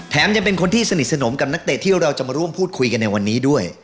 ยังเป็นคนที่สนิทสนมกับนักเตะที่เราจะมาร่วมพูดคุยกันในวันนี้ด้วย